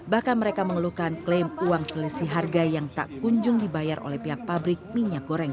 bahkan mereka mengeluhkan klaim uang selisih harga yang tak kunjung dibayar oleh pihak pabrik minyak goreng